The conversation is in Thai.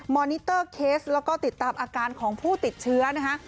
อนิเตอร์เคสแล้วก็ติดตามอาการของผู้ติดเชื้อนะคะ